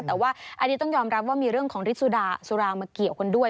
แต่ว่าอันนี้ต้องยอมรับว่ามีเรื่องของฤทธิ์สุรามาเกี่ยวกันด้วย